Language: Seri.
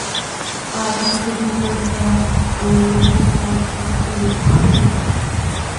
Haacni z ipocaaij ta, hee zo cöpoofp ta ¿isiicö haaya?